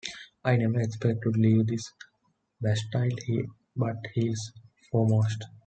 I never expect to leave this Bastile but Heels foremost.